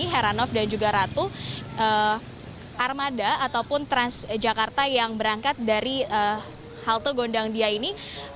heranov dan juga ratu armada ataupun transjakarta yang berangkat dari halte gondang dia ini